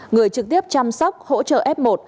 người trực tiếp chăm sóc hỗ trợ f một